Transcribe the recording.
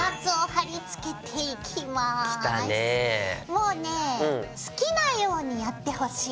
もうね好きなようにやってほしい。